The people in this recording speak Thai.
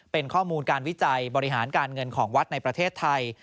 เป็นข้อมูลการวิจัยบริหารการเงินของวัดในประเทศไทย